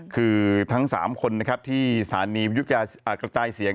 คือทั้ง๓คนนะครับที่สถานีวิยุกระจายเสียง